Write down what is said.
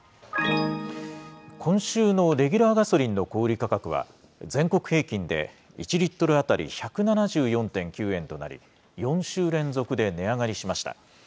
今週のレギュラーガソリンの小売り価格は、全国平均で１リットル当たり１７４．９円となり、４週連続で値上がりしました。